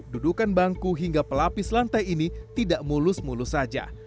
dudukan bangku hingga pelapis lantai ini tidak mulus mulus saja